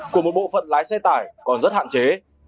của một bộ phận lái xe tải còn rất hạn chế